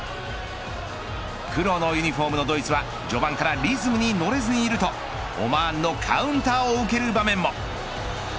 黒のユニホームのドイツは序盤からリズムに乗れずにいるとオマーンのカウンターを受ける場面も。